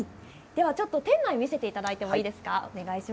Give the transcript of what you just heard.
店内を見せていただいていいですか？